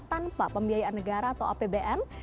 tanpa pembiayaan negara atau apbn